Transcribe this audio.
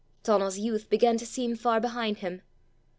Donal's youth began to seem far behind him.